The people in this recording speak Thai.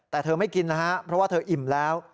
แต่เธอไม่กินนะฮะเพราะว่าเธออิ่มแล้ว